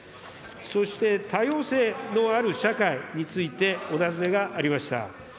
そして多様性のある社会についてお尋ねがありました。